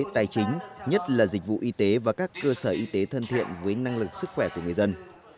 tài chính nhất là dịch vụ y tế và các cơ sở y tế thân thiện với năng lực sức khỏe của người dân